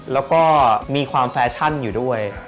แล้วก็มีความแฟชั่นอยู่ด้วย